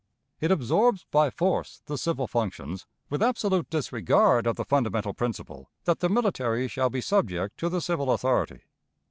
It absorbs by force the civil functions, with absolute disregard of the fundamental principle that the military shall be subject to the civil authority.